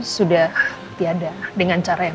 sudah tiada dengan cara yang